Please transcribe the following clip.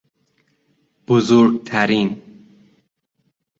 بزرگترین